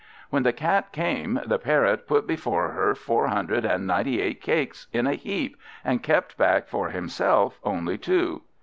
When the Cat came, the Parrot put before her four hundred and ninety eight cakes, in a heap, and kept back for himself only two.